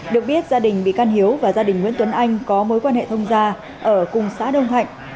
được biết gia đình bị can hiếu và gia đình nguyễn tuấn anh có mối quan hệ thông gia ở cùng xã đông thạnh